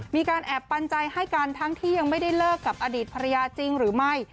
มีการแอบปันใจให้กันทั้งที่ยังไม่ได้เลิกกับอดีตภรรยาจริงหรือไม่